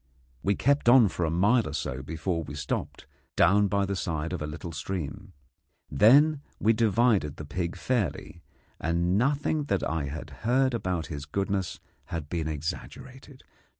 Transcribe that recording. We kept on for a mile or so before we stopped, down by the side of a little stream. Then we divided the pig fairly, and nothing that I had heard about his goodness had been exaggerated.